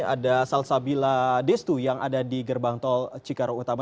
ada salsabila destu yang ada di gerbang tol cikarang utama